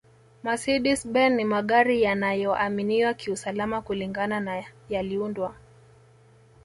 mecedes ben ni magari yanayoaminiwa kiusalama kulingana na yaliundwa